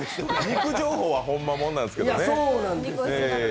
肉情報はホンマもんなんですけどね。